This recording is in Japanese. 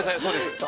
そうです